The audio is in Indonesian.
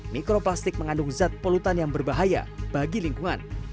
mikroplastik mengandung zat polutan yang berbahaya bagi lingkungan